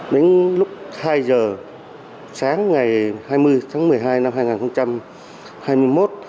đến lúc hai giờ sáng ngày hai mươi tháng một mươi hai năm hai nghìn hai mươi một